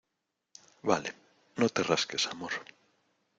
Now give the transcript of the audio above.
vale. no te rasques, amor .